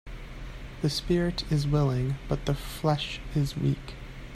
The spirit is willing but the flesh is weak.